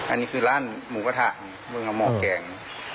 อันนี้คือร้านหมูกระทะเมืองหมอแกง